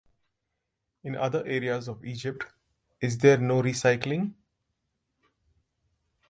In other areas of Egypt is there no recycling.